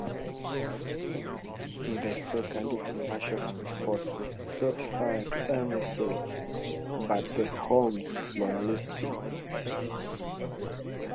The second invasionary force set fire to everything but the homes of Loyalists.